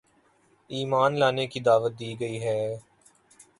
ایمان لانے کی دعوت دی گئی ہے